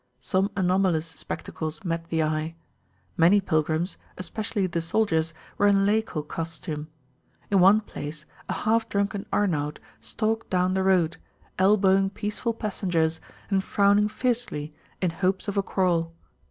Some anomalous spectacles met the eye. Many pilgrims, especially the soldiers, were in laical costume. In one place a half drunken Arnaut stalked down the road, elbowing peaceful passengers and frowning fiercely in hopes of a quarrel.